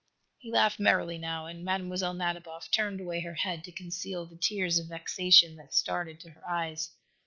He laughed merrily, now, and Mlle. Nadiboff turned away her head to conceal the tears of vexation that started to her eyes.